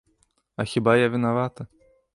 А хіба я вінавата?